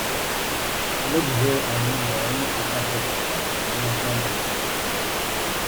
L’objet en lui-même est important, bien entendu.